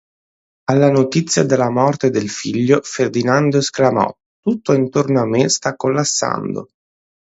Alla notizia della morte del figlio, Ferdinando esclamò: "Tutto attorno a me sta collassando.